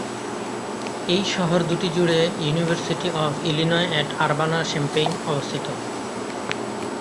এই শহর দুটি জুড়ে university of Illinois at Urbana Champaign অবস্থিত।